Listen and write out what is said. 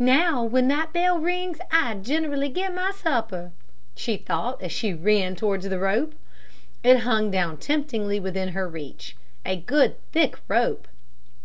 "Now, when that bell rings I generally get my supper," she thought, as she ran towards the rope. It hung down temptingly within her reach a good thick rope.